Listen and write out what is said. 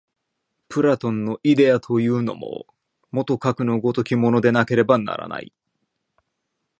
プラトンのイデヤというのも、もとかくの如きものでなければならない。